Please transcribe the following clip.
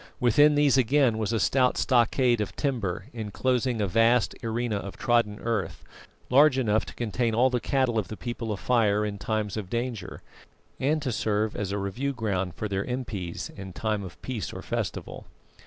Within these again was a stout stockade of timber, enclosing a vast arena of trodden earth, large enough to contain all the cattle of the People of Fire in times of danger, and to serve as a review ground for their impis in times of peace or festival.